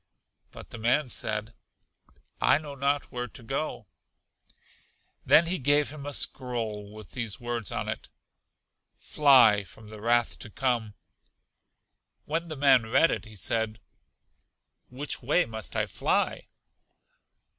But the man said, I know not where to go. Then he gave him a scroll with these words on it, Fly from the wrath to come. When the man read it he said, Which way must I fly?